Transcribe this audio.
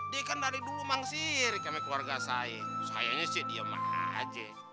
dia kan dari dulu mengsiri sama keluarga saya sayangnya sih diem aja